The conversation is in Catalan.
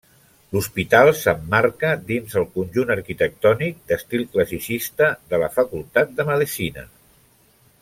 L'hospital s'emmarca dins el conjunt arquitectònic d'estil classicista de la Facultat de Medicina.